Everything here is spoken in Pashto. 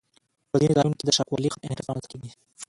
په ځینو ځایونو کې د شاقولي خط انحراف رامنځته کیږي